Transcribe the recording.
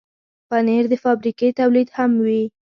پنېر د فابریکې تولید هم وي.